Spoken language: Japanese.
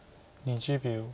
２０秒。